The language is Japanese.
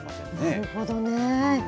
なるほどね。